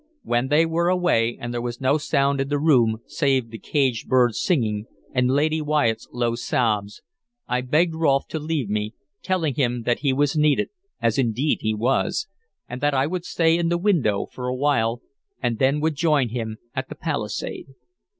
When they were away, and there was no sound in the room save the caged bird's singing and Lady Wyatt's low sobs, I begged Rolfe to leave me, telling him that he was needed, as indeed he was, and that I would stay in the window for a while, and then would join him at the palisade.